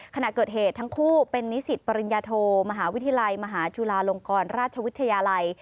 ขณะเกิดเหตุทั้งคู่เป็นนิสิตปริญญาโทมหาวิทยาลัยมหาจุฬาลงกรราชวิทยาลัย